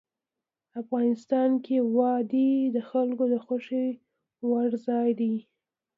افغانستان کې وادي د خلکو د خوښې وړ ځای دی.